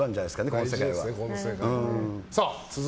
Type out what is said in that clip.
この世界は。